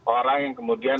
orang yang kemudian